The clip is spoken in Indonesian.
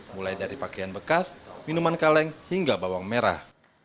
mulai dari pakaian bekas minuman kaleng hingga bawang merah